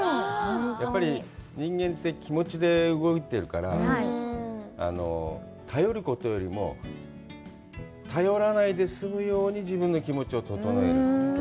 やっぱり、人間って気持ちで動いているから、頼ることよりも頼らないで済むように自分の気持ちを整える。